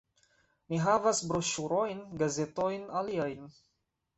Ni havas broŝurojn, gazetojn, aliajn